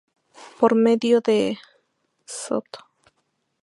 Por medio de Sto.